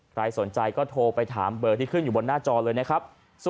ใครสนใจก็โทรไปถามเบอร์ที่ขึ้นอยู่บนหน้าจอเลยนะครับ